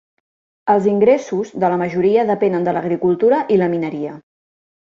Els ingressos de la majoria depenen de l'agricultura i la mineria.